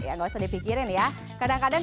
ya nggak usah dipikirin ya kadang kadang